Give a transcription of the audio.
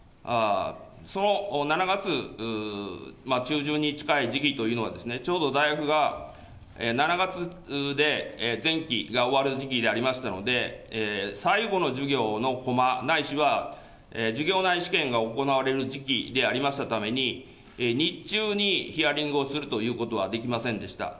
その７月中旬に近い時期というのは、ちょうど大学が７月で前期が終わる時期でありましたので、最後の授業のこまないしは授業内試験が行われる時期でありましたために、日中にヒアリングをするということはできませんでした。